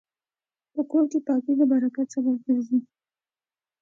په کور کې پاکي د برکت سبب ګرځي.